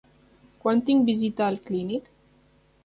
Quan tinc visita al clínic?